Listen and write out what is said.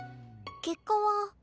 結果は。